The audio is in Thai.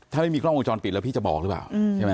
ถ้าไม่มีกล้องวงจรปิดแล้วพี่จะบอกหรือเปล่าใช่ไหม